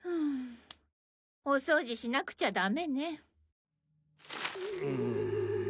お掃除しなくちゃダメね。